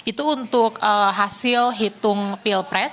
itu untuk hasil hitung pilpres